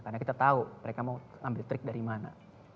karena kita tahu mereka mau ambil trik dari mana